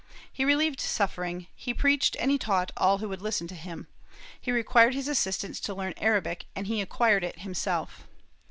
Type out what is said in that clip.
He relieved suffering, he preached and he taught all who would listen to him; he required his assistants to learn Arabic and he acquired it himself.